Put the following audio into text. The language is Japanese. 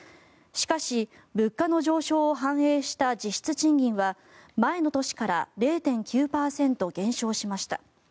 しかし、物価の上昇を反映した実質賃金は前の年から０．９％減少しました。